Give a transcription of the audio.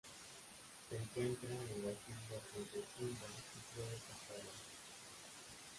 Se encuentra en las islas desde Sumba y Flores hasta Alor.